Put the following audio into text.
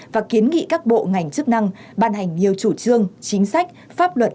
và kiến nghị các bộ ngành chức năng ban hành nhiều chủ trương chính sách pháp luật